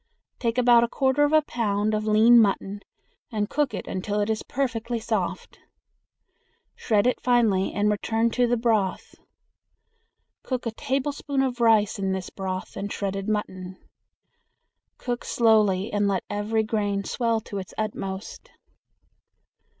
Take about a quarter of a pound of lean mutton and cook until it is perfectly soft. Shred it finely and return to the broth. Cook a tablespoonful of rice in this broth and shredded mutton. Cook slowly and let every grain swell to its utmost.